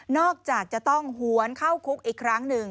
จากจะต้องหวนเข้าคุกอีกครั้งหนึ่ง